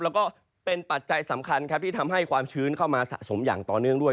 แล้วก็เป็นปัจจัยสำคัญครับที่ทำให้ความชื้นเข้ามาสะสมอย่างต่อเนื่องด้วย